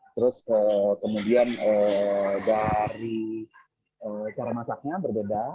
terus kemudian dari cara masaknya berbeda